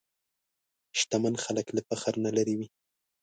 شتمن خلک له فخر نه لېرې وي.